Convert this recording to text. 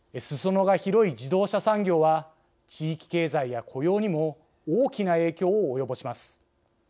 すそ野が広い自動車産業は地域経済や雇用にも大きな影響を及ぼします。